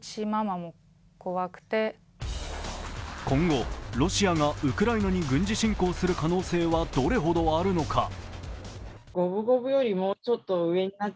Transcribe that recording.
今後、ロシアがウクライナに軍事侵攻する可能性はどれほどあるのか？